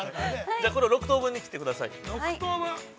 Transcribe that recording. ◆じゃあ、これを６等分に切ってください。